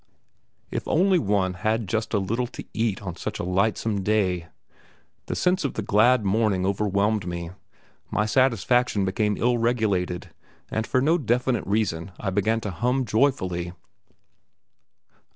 If one only had just a little to eat on such a lightsome day! The sense of the glad morning overwhelmed me; my satisfaction became ill regulated, and for no definite reason I began to hum joyfully.